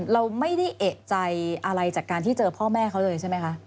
เราไม่ได้เอกใจอะไรจากการที่เจอพ่อแม่เขาเลยใช่ไหมคะ